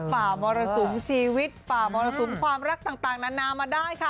ฝ่ามรสุมชีวิตฝ่ามรสุมความรักต่างนานามาได้ค่ะ